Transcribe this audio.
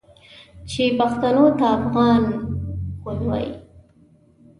چې پښتنو ته افغان غول وايي.